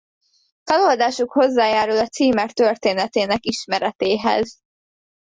Feloldásuk hozzájárul a címer történetének ismeretéhez.